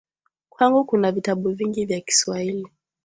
Kwangu kuna vitabu vingi vya kiswahili.